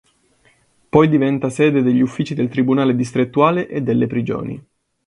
Poi diventa sede degli uffici del tribunale distrettuale e delle prigioni.